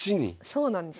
そうなんです。